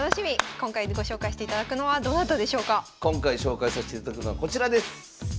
今回紹介さしていただくのはこちらです！